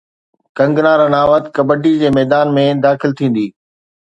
ڪنگنا رناوت ڪبڊي جي ميدان ۾ داخل ٿيندي